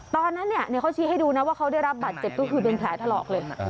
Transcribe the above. ตอนนั้นเนี่ยเขาชี้ให้ดูว่าเขาได้รับบาดเจ็บก็คือมีแผลถลอกเลย